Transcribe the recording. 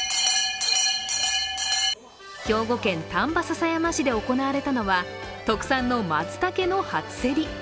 兵庫県丹波篠山市で行われたのは特産のまつたけの初競り。